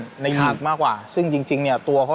เราไม่มีพวกมันเกี่ยวกับพวกเราแต่เราไม่มีพวกมันเกี่ยวกับพวกเรา